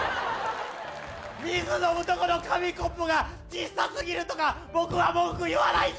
水飲むとこの紙コップがちっさすぎるとか僕は文句言わないんで！